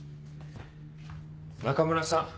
中村さん